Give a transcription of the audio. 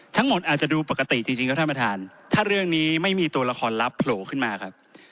ทั้งหมดอาจจะดูปกติจริงครับท่านประธานถ้าเรื่องนี้ไม่มีตัวละครลับโผล่ขึ้นมาครับ